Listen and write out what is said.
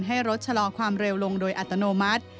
ให้รถชะลอความเร็วลงโดยอัตโนมัติ